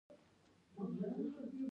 قومونه د افغانانو د معیشت سرچینه ده.